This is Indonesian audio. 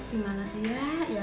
gimana sih ya